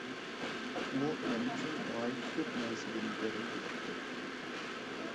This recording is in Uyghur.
ئۇ مەن ئۈچۈن ناھايىتى كۆپ نەرسىدىن دېرەك بېرەتتى.